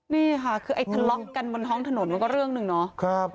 นี่ค่ะคือไอ้ทะเลาะกันบนท้องถนนมันก็เรื่องหนึ่งเนาะ